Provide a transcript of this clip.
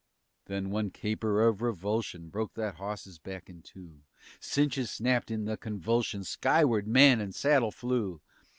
_" Then one caper of repulsion Broke that hawse's back in two. Cinches snapped in the convulsion; Skyward man and saddle flew.